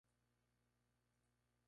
Universidad de Warwick.